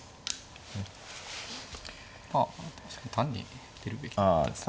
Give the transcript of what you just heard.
まあ確かに単に出るべきだったですね。